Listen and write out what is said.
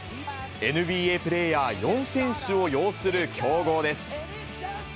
ＮＢＡプレーヤー４選手を擁する強豪です。